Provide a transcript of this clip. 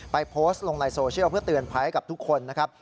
โพสต์ลงในโซเชียลเพื่อเตือนภัยกับทุกคนนะครับ